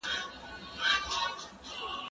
زه به ليکنه کړې وي!.